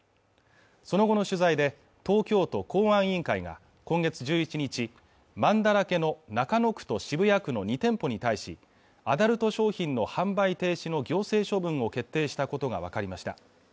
その後の取材で東京都公安委員会が今月１１日まんだらけの中野区と渋谷区の２店舗に対しアダルト商品の販売停止の行政処分を決定したことが分かりました